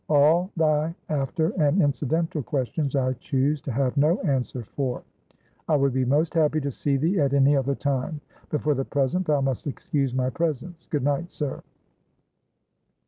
All thy after and incidental questions, I choose to have no answer for. I will be most happy to see thee at any other time, but for the present thou must excuse my presence. Good night, sir."